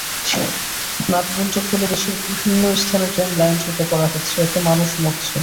Nut bolt খুলে দেশের বিভিন্ন স্থানে ট্রেন লাইনচ্যুত করা হচ্ছে, এতে মানুষ মরছে।